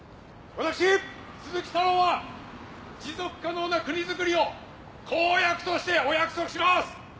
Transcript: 私鈴木タロウは持続可能な国づくりを公約としてお約束します！